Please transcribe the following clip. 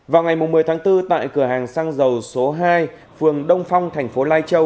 vào ngày một mươi tháng bốn tại cửa hàng xăng dầu số hai phường đông phong tp lai châu